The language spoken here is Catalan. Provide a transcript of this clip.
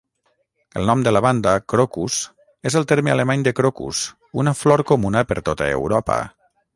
El nom de la banda, "Krokus" és el terme alemany de crocus, una flor comuna per tota Europa.